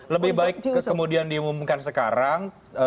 lebih baik kemudian diumumkan sekarang